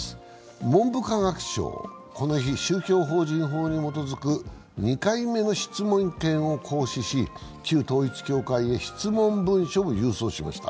文部科学省はこの日宗教法人法に基づく２回目の質問権を行使し旧統一教会へ質問文書を郵送しました。